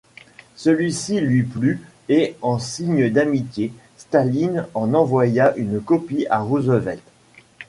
Celui-ci lui plut et en signe d'amitié, Staline en envoya une copie à Roosevelt.